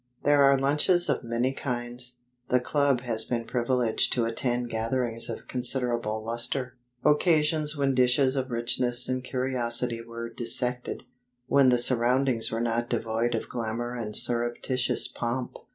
There are Lunches of many kinds. The Club has been privileged to attend gatherings of considerable lustre; occasions when dishes of richness and curiosity were dissected; when the surroundings were not devoid of glamour and surreptitious pomp.